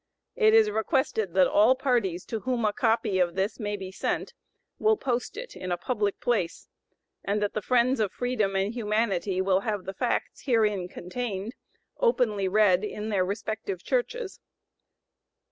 It is requested that all parties to whom a copy of this may be sent will post it in a public place, and that the friends of Freedom and Humanity will have the facts herein contained openly read in their respective churches.